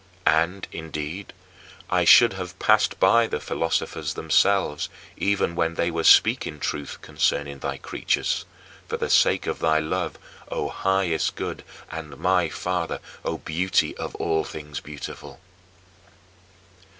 And, indeed, I should have passed by the philosophers themselves even when they were speaking truth concerning thy creatures, for the sake of thy love, O Highest Good, and my Father, O Beauty of all things beautiful.